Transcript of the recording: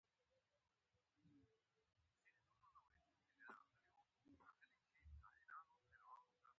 له غلطیو او مغالطو ځان وساتي.